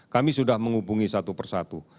kami sudah menghubungi satu persatu